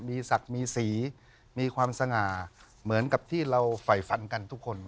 มีศักดิ์มีสีมีความสง่าเหมือนกับที่เราไฝฟันกันทุกคน